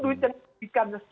duit yang diberikan